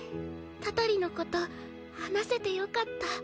祟りのこと話せてよかった。